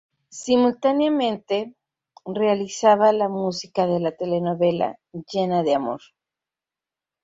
Simultáneamente realizaba la música de la telenovela "Llena de amor".